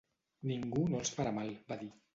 Ningú no els farà mal, va dir.